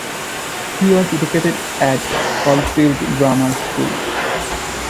She was educated at Caulfield Grammar School.